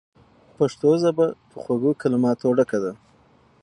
پښتو ژبه په خوږو کلماتو ډکه ده.